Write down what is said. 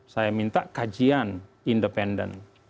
saya minta kajian independen